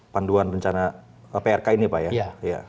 panduan rencana prk ini pak ya